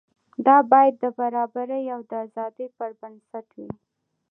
دا باید د برابرۍ او ازادۍ پر بنسټ وي.